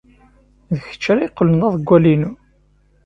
D kečč ara yeqqlen d aḍewwal-inu.